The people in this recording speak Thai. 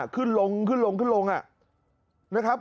ขึ้นลงนะครับ